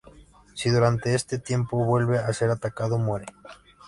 Si durante este tiempo vuelve a ser atacado, muere.